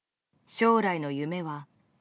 将来の夢は。